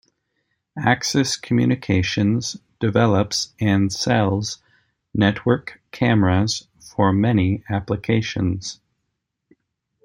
Axis Communications develops and sells network cameras for many applications.